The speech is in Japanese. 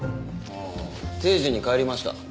ああ定時に帰りました。